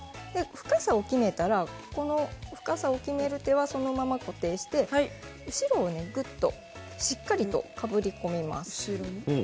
深さを決めたらこの深さを決める手はそのまま固定して後ろをぐっとしっかりとかぶり込みます。